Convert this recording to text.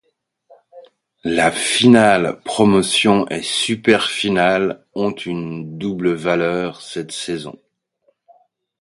La finale Promotion et Super-final ont une double valeur cette saison.